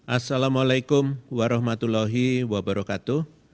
assalamu'alaikum warahmatullahi wabarakatuh